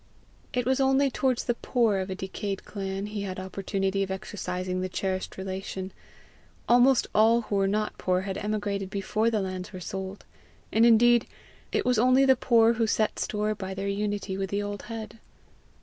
It was only towards the poor of a decayed clan he had opportunity of exercising the cherished relation; almost all who were not poor had emigrated before the lands were sold; and indeed it was only the poor who set store by their unity with the old head.